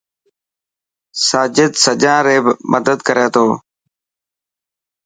ساجد سڄان ري مدد ڪري ٿو.